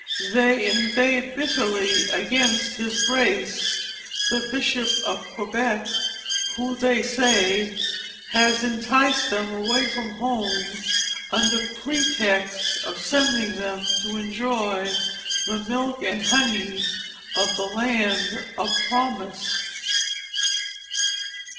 They inveigh bitterly against His Grace, the Bishop of Quebec, who, they say, has enticed them away from home under pretext of sending them to enjoy the milk and honey of the land of promise."